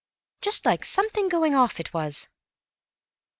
Just like something going off, it was."